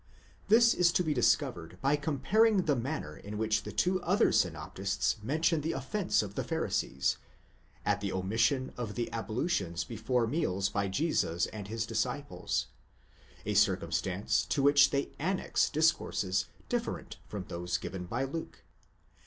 This is to be discovered by comparing the manner in which the two other synoptists mention the offence of the Pharisees, at the omission of the ablutions before meals by Jesus and his disciples: a circumstance to which they annex dis courses different from those given by Luke.